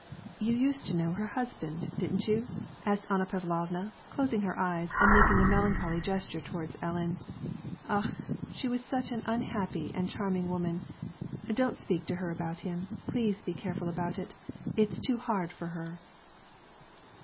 " You used to know her husband, didn't you ?" asked Anna Pavlovna, closing her eyes, and making a melancholy gesture toward Ellen :" Akh ! she is such an unhaj)py and charming woman. Don't speak to her about him, please be careful about it. It is too hard for her."